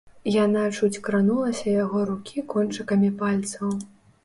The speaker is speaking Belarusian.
Яна чуць кранулася яго рукі кончыкамі пальцаў.